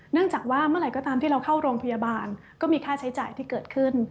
จากว่าเมื่อไหร่ก็ตามที่เราเข้าโรงพยาบาลก็มีค่าใช้จ่ายที่เกิดขึ้น